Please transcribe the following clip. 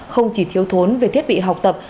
không chỉ thiếu thốn về thiết bị học tập